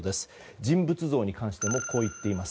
人物像に関してもこう言っています。